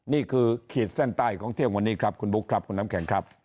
ขีดเส้นใต้ของเที่ยงวันนี้ครับคุณบุ๊คครับคุณน้ำแข็งครับ